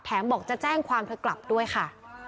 แถมบอกจะแจ้งความผลกลับด้วยค่ะ